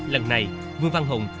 lần này vương văn hùng